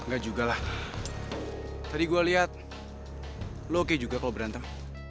enggak juga lah tadi gue lihat lo oke juga kalau berantem